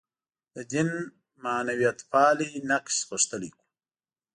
د دین معنویتپالی نقش غښتلی کړو.